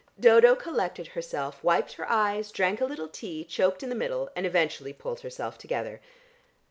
Dodo collected herself, wiped her eyes, drank a little tea, choked in the middle and eventually pulled herself together.